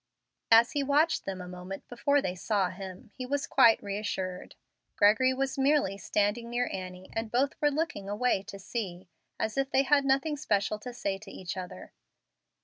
As he watched them a moment before they saw him, he was quite reassured. Gregory was merely standing near Annie, and both were looking away to sea, as if they had nothing special to say to each other.